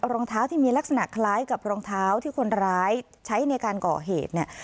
รองเท้าที่มีลักษณะคล้ายกับรองเท้าที่คนร้ายใช้ในการก่อเหตุเนี่ย